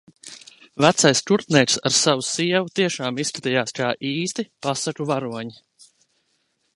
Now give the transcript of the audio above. Vecais kurpnieks ar savu sievu tiešām izskatījās kā īsti pasaku varoņi.